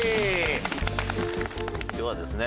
今日はですね